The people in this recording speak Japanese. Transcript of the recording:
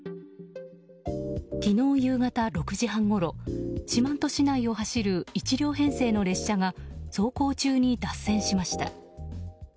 昨日夕方６時半ごろ四万十市内を走る１両編成の列車が走行中に脱線しました。